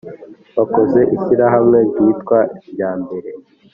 bakoze ishyirahamwe ryitwa jyambere